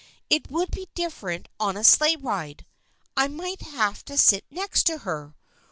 It would be different on a sleigh ride. I might have had to sit next to her.